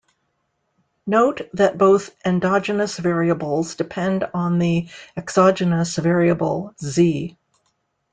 Note that both endogenous variables depend on the exogenous variable "Z".